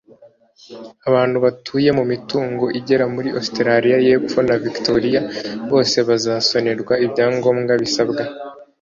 Abantu batuye mumitungo igera muri Ositaraliya yepfo na Victoria bose bazasonerwa ibyangombwa bisabwa.